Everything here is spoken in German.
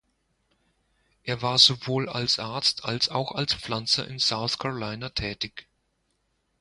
Er war sowohl als Arzt als auch als Pflanzer in South Carolina tätig.